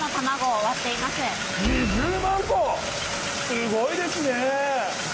すごいですね！